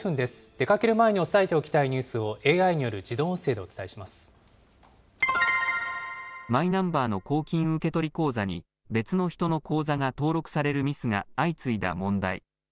出かける前に押さえておきたいニュースをＡＩによる自動音声でおマイナンバーの公金受取口座に別の人の口座が登録されるミスが相次いだ問題。